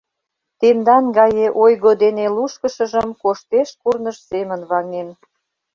Тендан гае ойго дене лушкышыжым коштеш курныж семын ваҥен.